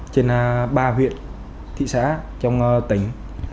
trên ba huyện thị xã trong tỉnh